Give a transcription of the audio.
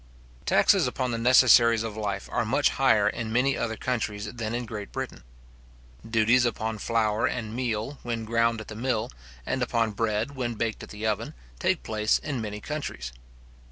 Taxes upon the necessaries of life are much higher in many other countries than in Great Britain. Duties upon flour and meal when ground at the mill, and upon bread when baked at the oven, take place in many countries.